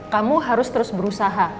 kamu harus terus berusaha